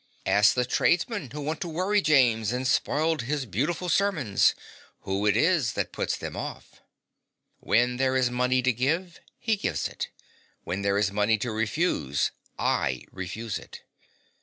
Ask the tradesmen who want to worry James and spoil his beautiful sermons who it is that puts them off. When there is money to give, he gives it: when there is money to refuse, I refuse it.